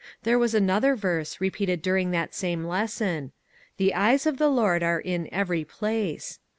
There was another verse, repeated during that same lesson :" The eyes of the Lord are in every place."